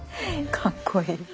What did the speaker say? かっこいい。